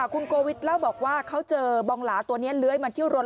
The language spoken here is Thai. คุณโกวิทเล่าบอกว่าเขาเจอบองหลาตัวนี้เลื้อยมาเที่ยวรถ